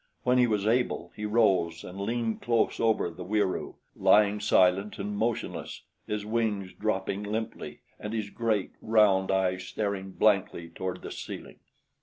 When he was able, he rose, and leaned close over the Wieroo, lying silent and motionless, his wings drooping limply and his great, round eyes staring blankly toward the ceiling.